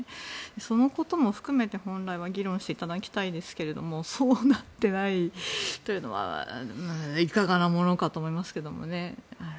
そのことも含めて本来は議論していただきたいですがそうなってないというのはいかがなものかと思いますけどね。